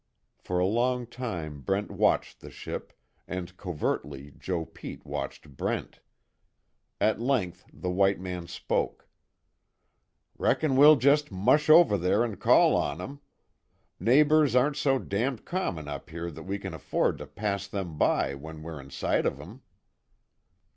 For a long time Brent watched the ship, and covertly Joe Pete watched Brent. At length the white man spoke. "Reckon we'll just mush over there and call on 'em. Neighbors aren't so damned common up here that we can afford to pass them by when we're in sight of 'em."